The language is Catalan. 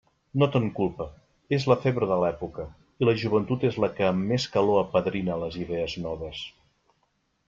No te'n culpe; és la febre de l'època, i la joventut és la que amb més calor apadrina les idees noves.